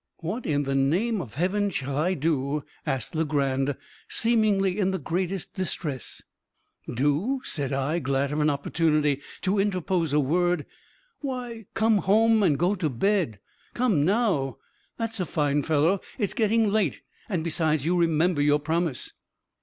"What in the name of heaven shall I do?" asked Legrand, seemingly in the greatest distress. "Do!" said I, glad of an opportunity to interpose a word, "why, come home and go to bed. Come now! that's a fine fellow. It's getting late, and, besides, you remember your promise."